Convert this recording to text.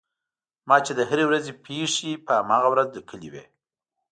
ما چې د هرې ورځې پېښې په هماغه ورځ لیکلې وې.